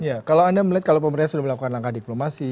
ya kalau anda melihat kalau pemerintah sudah melakukan langkah diplomasi